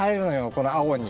この青に。